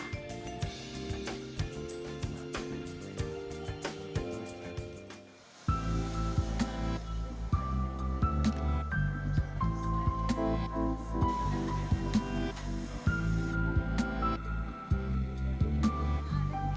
untuk yang sebentar